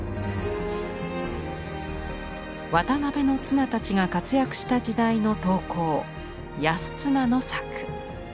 渡辺綱たちが活躍した時代の刀工安綱の作。